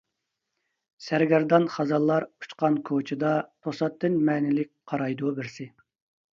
سەرگەردان خازانلار ئۇچقان كوچىدا، توساتتىن مەنىلىك قارايدۇ بىرسى.